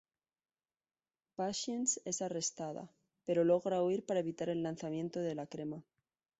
Patience es arrestada, pero logra huir para evitar el lanzamiento de la crema.